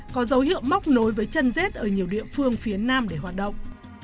có dấu hiệu móc nối với chân rét ở nhiều địa phương phía nam để hoạt động